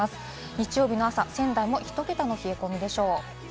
日曜日の朝、仙台もひと桁の冷え込みでしょう。